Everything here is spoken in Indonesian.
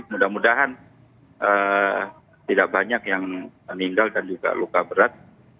mudah mudahan tidak banyak yang meninggal dan juga luka berat